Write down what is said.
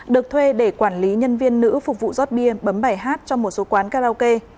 được thuê để quản lý nhân viên nữ phục vụ giót bia bấm bài hát cho một số quán karaoke